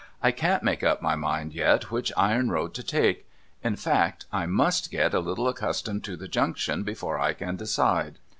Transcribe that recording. ' I can't make up my mind yet which iron road to take. In fact, I must get a little accustomed to the Junction before I can decide.